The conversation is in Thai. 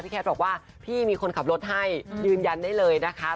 แคทบอกว่าพี่มีคนขับรถให้ยืนยันได้เลยนะคะ